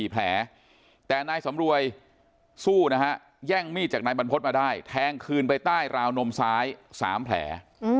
แผลแต่นายสำรวยสู้นะฮะแย่งมีดจากนายบรรพฤษมาได้แทงคืนไปใต้ราวนมซ้าย๓แผล